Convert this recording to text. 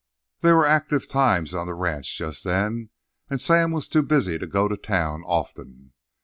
There were active times on the ranch, just then, and Sam was too busy to go to town often.